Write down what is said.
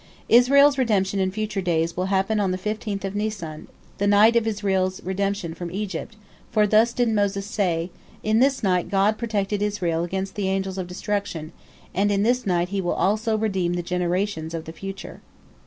Israel's redemption in future days will happen on the fifteenth of Nisan, the night of Israel's redemption from Egypt, for thus did Moses say, "In this night God protected Israel against the Angels of Destruction, and in this night He will also redeem the generations of the future."